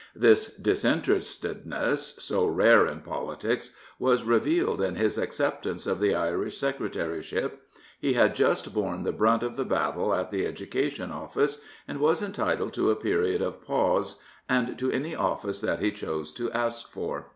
This disinterestedness, so rare in politics, was revealed in his acceptance of the Irish Secretary ship. He had just borne the brunt of the battle at the Education Oflice, and was entitled to a period of pause and to any of&ce that he chose to ask for.